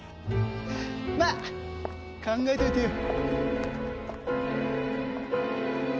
まあ考えといてよ。